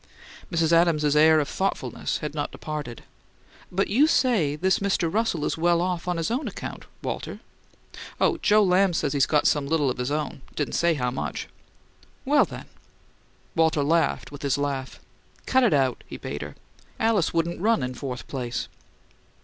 Mrs. Adams's air of thoughtfulness had not departed. "But you say this Mr. Russell is well off on his own account, Walter." "Oh, Joe Lamb says he's got some little of his own. Didn't know how much." "Well, then " Walter laughed his laugh. "Cut it out," he bade her. "Alice wouldn't run in fourth place."